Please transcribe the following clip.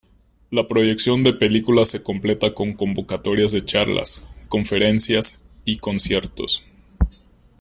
La proyección de películas se completa con convocatorias de charlas, conferencias y conciertos.